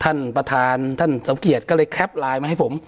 ท่านประธานท่านสมเกียจก็เลยแคปไลน์มาให้ผม